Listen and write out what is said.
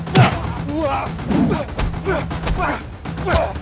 sampai jumpa lagi pak